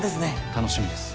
楽しみです。